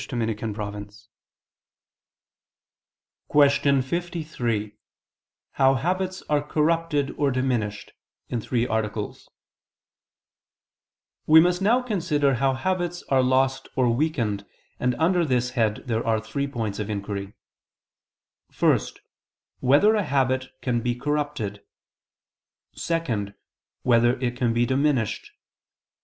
________________________ QUESTION 53 HOW HABITS ARE CORRUPTED OR DIMINISHED (In Three Articles) We must now consider how habits are lost or weakened; and under this head there are three points of inquiry: (1) Whether a habit can be corrupted? (2) Whether it can be diminished?